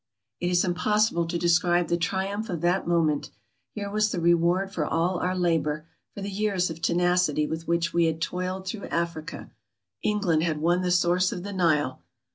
It is impossible to describe the triumph of that moment — here was the reward for all our labor — for the years of tenacity with which we had toiled through Africa. Eng land had won the source of the Nile